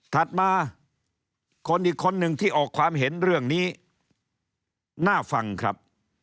ถัดมาคนอีกคนหนึ่งที่ออกความเห็นเรื่องนี้น่าฟังครับ